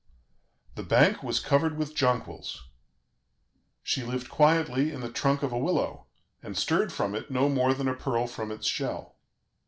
The bank was covered with jonquils. She lived quietly in the trunk of a willow, and stirred from it no more than a pearl from its shell.